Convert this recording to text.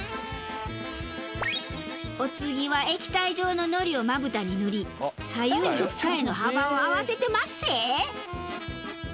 お次は液体状の糊をまぶたに塗り左右の二重の幅を合わせてまっせ！